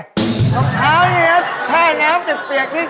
รองเท้านี่แช่น้ำไปเปียกนิด